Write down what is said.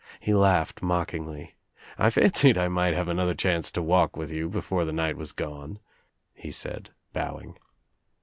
He laughed mockingly. "I fancied I might have another chance to walk with you before the night was gone," he said bowing.